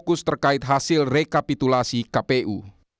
fokus terkait hasil rekapitulasi kpu